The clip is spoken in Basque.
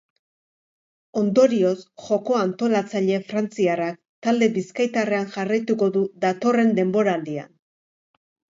Ondorioz, joko-antolatzaile frantziarrak talde bizkaitarrean jarraituko du datorren denboraldian.